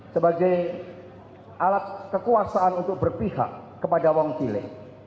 sebagai alat kekuasaan untuk berpihak kepada wong chile